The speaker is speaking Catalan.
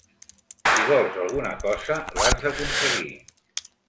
Si vols alguna cosa, l'has d'aconseguir.